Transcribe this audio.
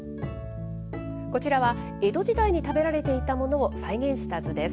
こちらは江戸時代に食べられていたものを再現した図です。